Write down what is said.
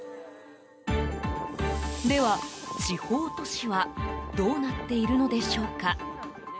では、地方都市はどうなっているのでしょうか。